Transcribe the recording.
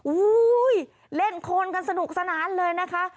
เล่นโคนกันสนุกสนานเลยนะคะ